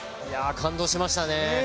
感動しましたね。